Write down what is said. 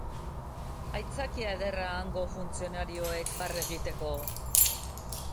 Aitzakia ederra hango funtzionarioek barre egiteko!